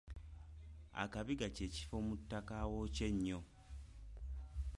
Akabiga kye kye kifo mu ttaka awookya ennyo.